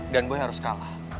dan boy harus kalah